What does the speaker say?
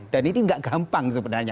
dan ini enggak gampang sebenarnya